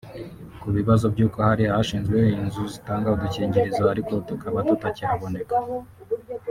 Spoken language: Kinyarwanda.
Ku bibazo by’uko hari ahashyizwe inzu zitanga udukingirizo ariko tukaba tutakihaboneka